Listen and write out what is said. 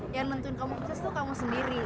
yang nentuin komunitas tuh kamu sendiri